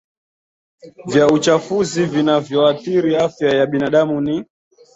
vya uchafuzi vinavyoathiri afya ya binadamu ni